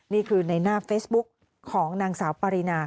นี่คือในหน้าเฟซบุ๊กของนางสาวปารีนา